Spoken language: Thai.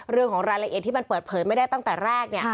เรื่องของรายละเอียดที่มันเปิดเผยไม่ได้ตั้งแต่แรกเนี่ย